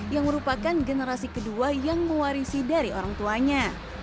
yang merupakan generasi kedua yang mewarisi dari orang tuanya